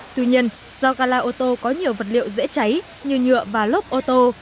tuy nhiên do gala ô tô có nhiều vật liệu dễ cháy như nhựa và lốp ô tô